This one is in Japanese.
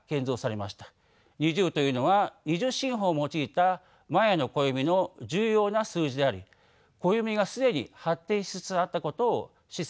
２０というのは２０進法を用いたマヤの暦の重要な数字であり暦が既に発展しつつあったことを示唆します。